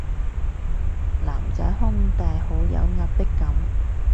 男仔胸大好有壓迫感